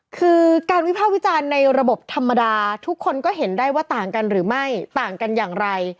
คือการวิภาควิจารณ์ในระบบธรรมดาทุกคนก็เห็นได้ว่าต่างกันหรือไม่ต่างกันอย่างไร